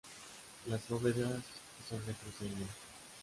Las bóvedas son de crucería.